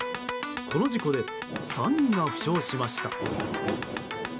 この事故で３人が負傷しました。